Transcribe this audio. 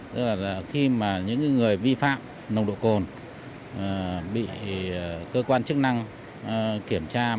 tức là khi mà những người vi phạm nồng độ cồn bị cơ quan chức năng kiểm tra